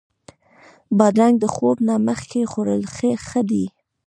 بادرنګ د خوب نه مخکې خوړل ښه دي.